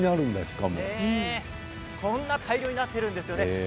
こんな大量になっているんですね。